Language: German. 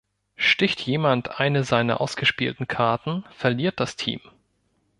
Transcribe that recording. Sticht jemand eine seiner ausgespielten Karten, verliert das Team.